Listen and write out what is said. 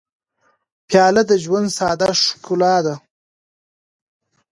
پیاله د ژوند ساده ښکلا ده.